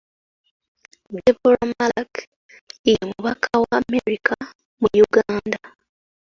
Deborah Malac ye mubaka wa Amerika mu Uganda.